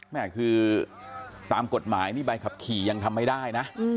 แม่คือตามกฎหมายนี่ใบขับขี่ยังทำไม่ได้นะ